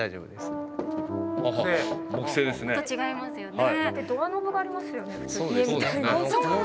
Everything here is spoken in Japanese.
音違いますよね。